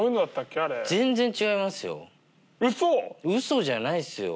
嘘じゃないっすよ。